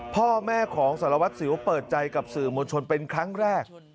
พ่อแม่ของสารวัตรสิวเปิดใจกับสื่อมวลชนเป็นครั้งแรก